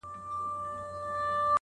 راته د افغاني سفارت يو غړي وويل